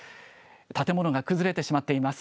建物が崩れてしまっています。